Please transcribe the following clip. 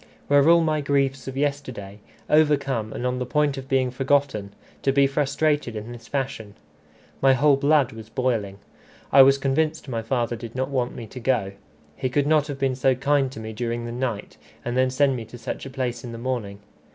Were all my griefs of yesterday, overcome and on the point of being forgotten, to be frustrated in this fashion? My whole blood was boiling. I was convinced my father did not want me to go. He could not have been so kind to me during the night, and then send me to such a place in the morning.